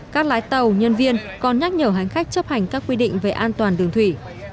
các lái tàu nhân viên còn nhắc nhở hành khách chấp hành các quy định về an toàn đường thủy